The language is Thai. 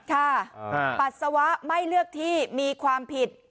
ปัสสาวะไม่เลือกที่มีความผิด